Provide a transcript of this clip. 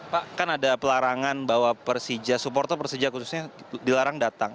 pak kan ada pelarangan bahwa persija supporter persija khususnya dilarang datang